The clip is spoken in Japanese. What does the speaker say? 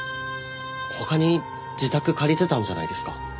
他に自宅借りてたんじゃないですか。